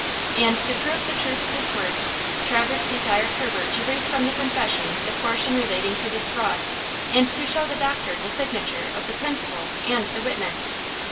And to prove the truth of his words, Traverse desired Herbert to read from the confession the portion relating to this fraud, and to show the doctor the signature of the principal and the witness.